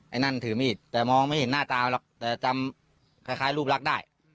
ไอ้นั่นถือมีดแต่มองไม่เห็นหน้าตาหรอกแต่จำคล้ายรูปลักษณ์ได้